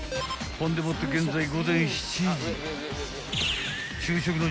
［ほんでもって現在午前７時］